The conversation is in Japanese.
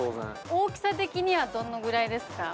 ◆大きさ的にはどのぐらいですか。